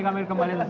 kami kembali lagi